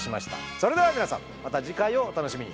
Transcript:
それでは皆さんまた次回をお楽しみに。